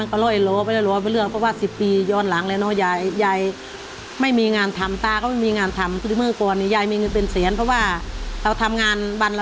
๑๐กว่าปีที่ผ่านมา